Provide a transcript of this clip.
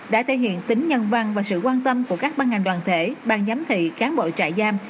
đã thể hiện tính nhân văn và sự quan tâm của các ban ngành đoàn thể bang giám thị cán bộ trại giam